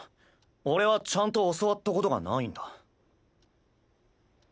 俺はちゃんと教わったことがないんだ。